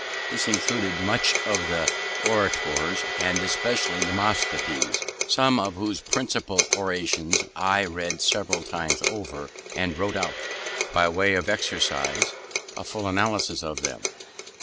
This included much of the orators, and especially Demosthenes, some of whose principal orations I read several times over, and wrote out, by way of exercise, a full analysis of them.